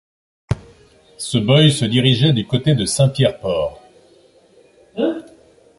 Ce boy se dirigeait du côté de Saint-Pierre-Port.